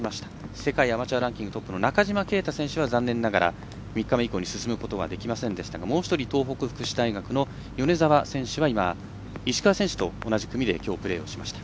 世界アマチュアランキングの中島啓太選手は残念ながら３日目以降に進むことはできませんでしたがもう１人、東北福祉大学の米澤選手はきょう石川選手と同じ組でプレーをしました。